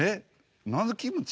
なぜキムチ？